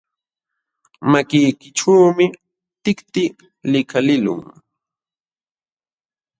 Makiykićhuumi tikti likaliqlun.